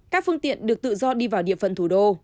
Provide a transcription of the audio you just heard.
các phương tiện được tự do đi vào địa phận thủ đô